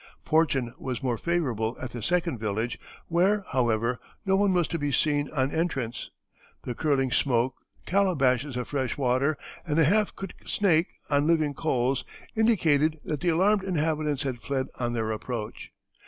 Fortune was more favorable at the second village, where, however, no one was to be seen on entrance. The curling smoke, calabashes of fresh water, and a half cooked snake on living coals indicated that the alarmed inhabitants had fled on their approach.